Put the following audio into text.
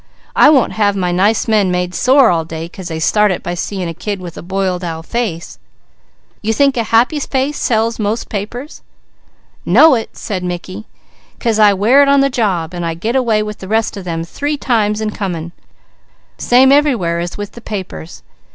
I won't have my nice men made sore all day 'cause they start it by seeing a kid with a boiled owl face." "You think a happy face sells most papers?" "Know it!" said Mickey, "'cause I wear it on the job, and I get away with the rest of them three times and coming. Same everywhere as with the papers.